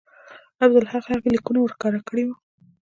عبدالحق هغه لیکونه ورښکاره کړي وو.